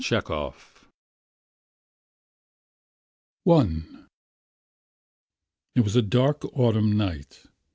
CHEKHOV I It was a dark autumn night.